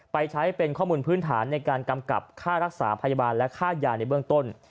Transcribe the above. ไปใช้เป็นข้อมูลพื้นฐานในการกำกับค่ารักษาพยาบาลและค่ายาในเบื้องต้น